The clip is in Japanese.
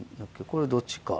これどっちか？